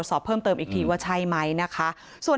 จน๘โมงเช้าวันนี้ตำรวจโทรมาแจ้งว่าพบเป็นศพเสียชีวิตแล้ว